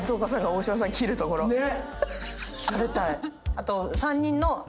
あと。